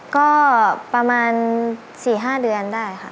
ก็ประมาณ๔ห้าเดือนได้ครับ